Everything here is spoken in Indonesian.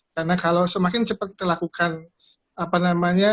karena kalau semakin cepat kita lakukan apa namanya